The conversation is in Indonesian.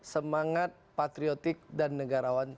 semangat patriotik dan negarawan